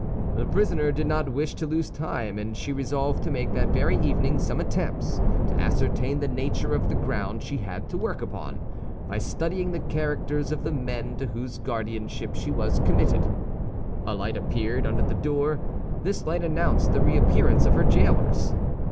The prisoner did not wish to lose time; and she resolved to make that very evening some attempts to ascertain the nature of the ground she had to work upon, by studying the characters of the men to whose guardianship she was committed. A light appeared under the door; this light announced the reappearance of her jailers.